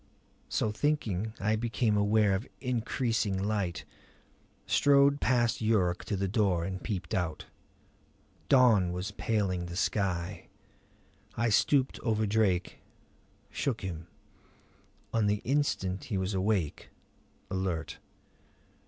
So thinking I became aware of increasing light; strode past Yuruk to the door and peeped out. Dawn was paling the sky. I stooped over Drake, shook him. On the instant he was awake, alert.